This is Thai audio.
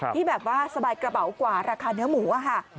ที่แบบว่าสบายกระเป๋ากว่าราคาเนื้อหมูค่ะ